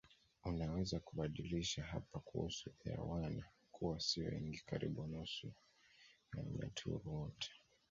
Unaweza kubadilisha hapa kuhusu Airwana kuwa si wengi karibu nusu ya Wanyaturu wote